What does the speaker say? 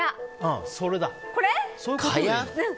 それだ。